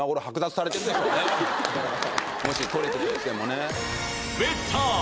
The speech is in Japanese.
もし取れてたとしてもね。